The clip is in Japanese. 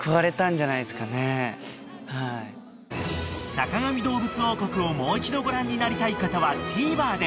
［『坂上どうぶつ王国』をもう一度ご覧になりたい方はＴＶｅｒで］